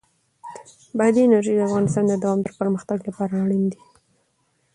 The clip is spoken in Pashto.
بادي انرژي د افغانستان د دوامداره پرمختګ لپاره اړین دي.